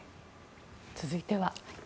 続いては。